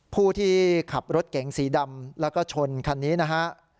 ผู้ที่ขับรถเก๋งสีดำแล้วก็ชนคันนี้นะฮะ